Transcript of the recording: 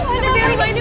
ada apa ini